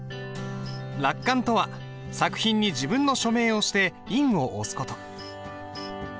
落款とは作品に自分の署名をして印を押す事。